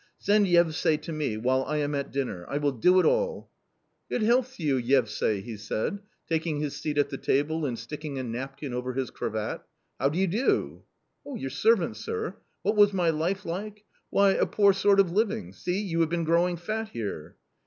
Send Yevsay to me, while I am at dinner .... I will do it all !"" Good health to you, Yevsay !" he said, taking his seat at the table and sticking a napkin over his cravat " How do you do ?"" Your servant, sir. What was my life like ? Why, a poor sort of living. See, you have been growing fat here."